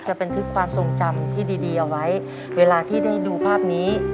บันทึกความทรงจำที่ดีดีเอาไว้เวลาที่ได้ดูภาพนี้